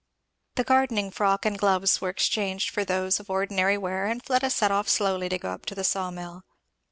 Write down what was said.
The gardening frock and gloves were exchanged for those of ordinary wear, and Fleda set off slowly to go up to the saw mill.